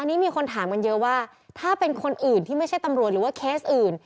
อันนี้มีคนถามกันเยอะว่าถ้าเป็นคนอื่นที่ไม่ใช่ตำรวจหรือว่าเคสอื่น